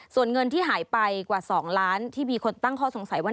ส่วนเงินที่หายไปกว่า๒ล้านที่มีคนตั้งข้อสงสัยว่า